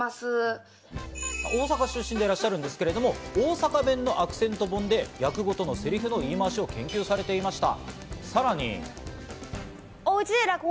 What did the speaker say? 大阪出身でらっしゃるんですけど、大阪弁のアクセント本で役ごとのセリフの言い回しを研究されていました。